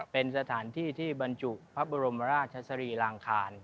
เป็นสถานที่ที่บรรจุพระบรมราชสรีรางคาร